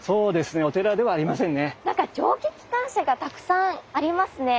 何か蒸気機関車がたくさんありますね。